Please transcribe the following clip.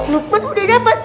lupen udah dapet